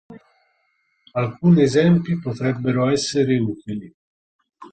Alcuni esempi potrebbero essere utili.